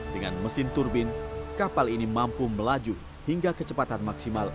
dengan mesin turbin kapal ini mampu melaju hingga kecepatan maksimal empat puluh knot